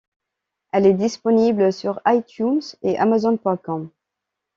Elle est disponible sur iTunes et Amazon.com.